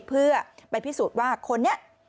เพื่อไปพิสูจน์ว่าคนนี้